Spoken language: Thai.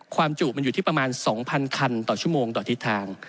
จุมันอยู่ที่ประมาณ๒๐๐คันต่อชั่วโมงต่อทิศทาง